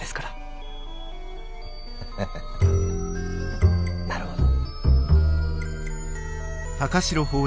ハハハなるほど。